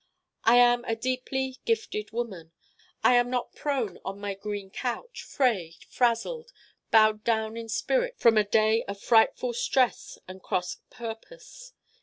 I am a deeply gifted woman. I am not prone on my green couch, frayed, frazzled, bowed down in spirit from a day of frightful stress and cross purpose.